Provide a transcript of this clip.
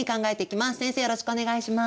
よろしくお願いします。